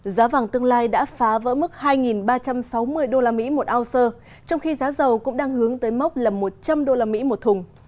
giá vàng tương lai đã phá vỡ mức hai ba trăm sáu mươi usd một ounce trong khi giá dầu cũng đang hướng tới mốc là một trăm linh usd một thùng